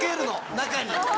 中に。